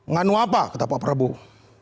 nganu apa kata pak prabowo